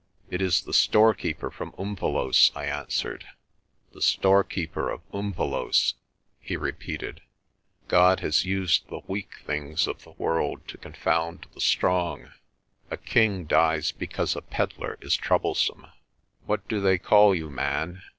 "It is the storekeeper from Umvelos'," I answered. "The storekeeper of Umvelos'," he repeated. "God has used the weak things of the world to confound the strong. A king dies because a peddlar is troublesome. What do they call you, man?